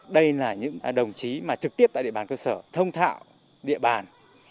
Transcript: đây là những đồng chí mà trực tiếp tại địa bàn cơ sở thông thạo địa bàn